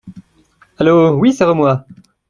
Allô !… oui, c’est re-moi.